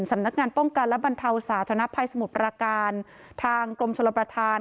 สำนักงานป้องกันและบรรเทาสาธนภัยสมุทรปราการทางกรมชลประธาน